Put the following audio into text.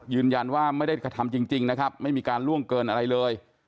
ยืนยันว่าไม่ได้กระทำจริงนะครับไม่มีการล่วงเกินอะไรเลย